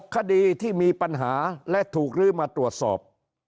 คดีที่มีปัญหาและถูกลื้อมาตรวจสอบ